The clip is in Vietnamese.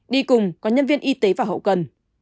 đi cùng có nhân viên y tế và hậu cần